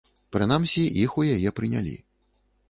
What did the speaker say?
Прынамсі, іх у яе прынялі.